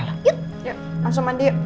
yuk langsung mandi